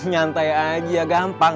nyantai aja gampang